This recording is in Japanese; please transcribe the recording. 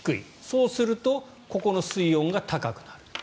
そうするとここの水温が高くなる。